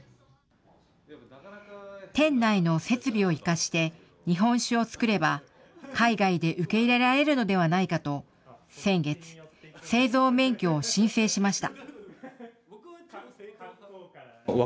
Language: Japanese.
店内の設備を生かして、日本酒を造れば、海外で受け入れられるのではないかと先月、製造免許を申請しました。